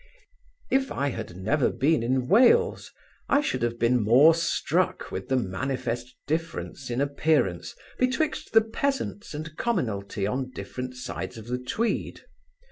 If I had never been in Wales, I should have been more struck with the manifest difference in appearance betwixt the peasants and commonalty on different sides of the Tweed.